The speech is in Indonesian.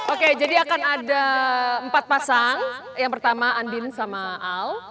oke jadi akan ada empat pasang yang pertama andin sama al